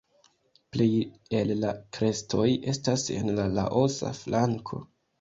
Plej el la krestoj estas en la Laosa flanko.